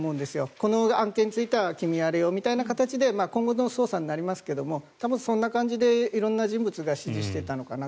この案件については君やれよみたいな形で今後の捜査になりますが多分そんな感じで、色んな人物が指示していたのかなと。